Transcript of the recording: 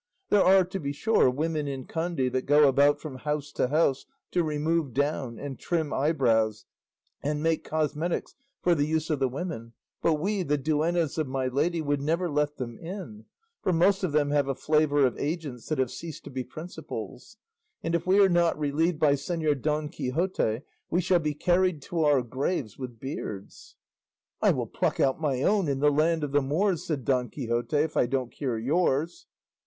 There are, to be sure, women in Kandy that go about from house to house to remove down, and trim eyebrows, and make cosmetics for the use of the women, but we, the duennas of my lady, would never let them in, for most of them have a flavour of agents that have ceased to be principals; and if we are not relieved by Señor Don Quixote we shall be carried to our graves with beards." "I will pluck out my own in the land of the Moors," said Don Quixote, "if I don't cure yours."